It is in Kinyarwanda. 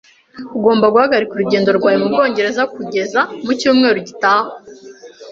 Ugomba guhagarika urugendo rwawe mu Bwongereza kugeza mu cyumweru gitaha.